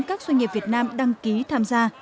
các doanh nghiệp việt nam đăng ký tham gia